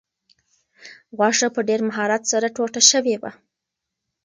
غوښه په ډېر مهارت سره ټوټه شوې وه.